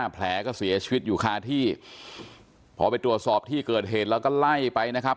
แผลก็เสียชีวิตอยู่คาที่พอไปตรวจสอบที่เกิดเหตุแล้วก็ไล่ไปนะครับ